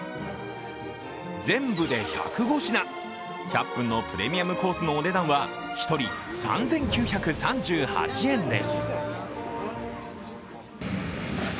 全部で１０５品、１００分のプレミアムコースのお値段は１人３９３８円です。